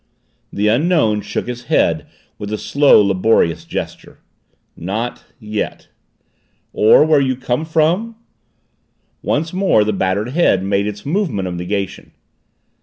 The Unknown shook his head with a slow, laborious gesture. "Not yet." "Or where you came from?" Once more the battered head made its movement of negation.